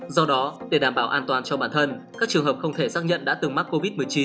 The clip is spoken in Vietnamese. do đó để đảm bảo an toàn cho bản thân các trường hợp không thể xác nhận đã từng mắc covid một mươi chín